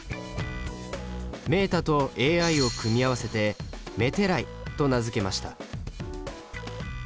メータとＡＩを組み合わせてＭＥＴＥＲＡＩと名付けました。